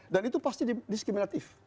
dan itu pasti diskriminatif